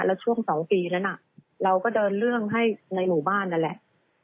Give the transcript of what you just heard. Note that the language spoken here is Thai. แล้วช่วง๒ปีนั้นเราก็เดินเรื่องให้ในหมู่บ้านนั่นแหละ